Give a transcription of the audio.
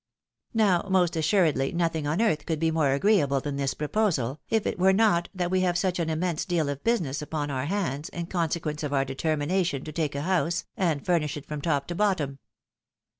Now most assuredly nothing on earth could be more agreeable than this proposal, if it were not that we have such an immense deal of business upon our hands, in con sequence of our determination to take a house, and furnish it from top to bottom.